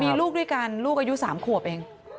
มีลูกด้วยกันลูกอายุ๓ขวบเอง